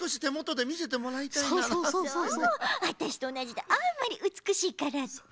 あたしとおなじであんまりうつくしいからって？